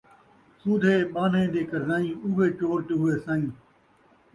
سودھے ٻانھیں دے قرضائیں ، اوہے چور تے اوہے سئیں